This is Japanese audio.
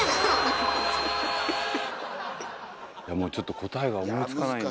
もうちょっと答えが思いつかないんで。